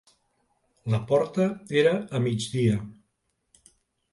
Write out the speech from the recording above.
La porta era a migdia.